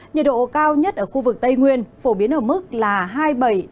nhiệt độ cao nhất ở khu vực tây nguyên phổ biến ở mức là hai mươi bảy đến ba mươi độ trong ngày mai